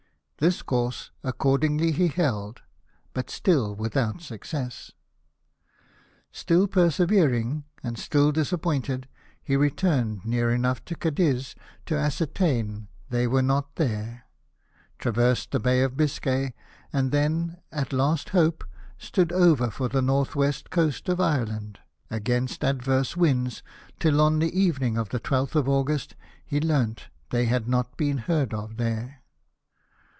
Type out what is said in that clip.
This course accordingly he held, but still without success. Still persevering, and still disappointed, he returned near enough to Cadiz to ascertain that they were not there ; traversed the Bay of Biscay ; and then, as a last hope, stood over for the north west coast of Ireland, against ad verse winds, till on the evening of the 12th of August he learnt that they had not been heard of there.